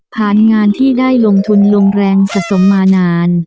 งานที่ได้ลงทุนลงแรงสะสมมานาน